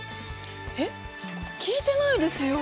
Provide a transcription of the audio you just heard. えっ聞いてないですよ。